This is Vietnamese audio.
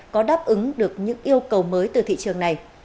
có đáp ứng được những yêu cầu mới từ thị trường này